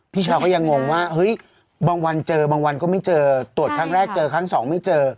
พี่เช้าก็ยังงงว่าเฮ้ยบางวันเจอบางวันก็ไม่เจอตรวจครั้งแรกเจอครั้งสองไม่เจอ